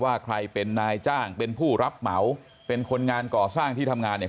ว่าใครเป็นนายจ้างเป็นผู้รับเหมาเป็นคนงานก่อสร้างที่ทำงานเนี่ย